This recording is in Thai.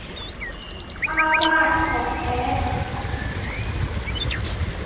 ป้าวาสของแท้